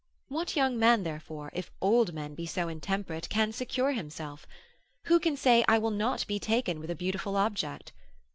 What young man, therefore, if old men be so intemperate, can secure himself? Who can say I will not be taken with a beautiful object?